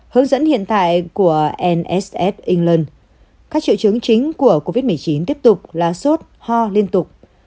hướng dẫn hiện tại của nhs england các triệu chứng chính của covid một mươi chín tiếp tục là sốt ho liên tục